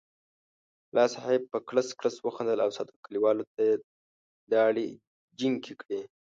ملا صاحب په کړس کړس وخندل او ساده کلیوال ته یې داړې جینګې کړې.